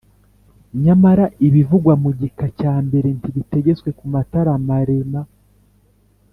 Nyamara ibivugwa ku gika cya mbere ntibitegetswe ku matara maremar